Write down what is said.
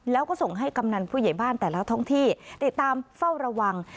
แล้วก็ส่งให้กำนันผู้ใหญ่บ้านแต่ละท้องที่ติดตามเฝ้าระวัง